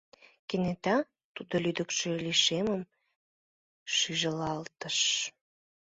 Кенета тудо лӱдыкшӧ лишеммым шижылалтыш.